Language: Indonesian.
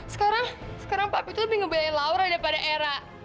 sekarang sekarang papi tuh lebih ngebelain laura daripada era